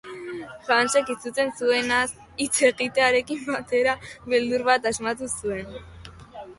Hansek, izutzen zuenaz hitz egitearekin batera, beldur bat asmatu zuen.